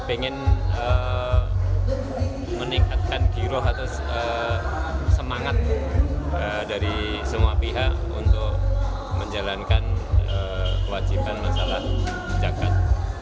ingin meningkatkan giroh atau semangat dari semua pihak untuk menjalankan kewajiban masalah zakat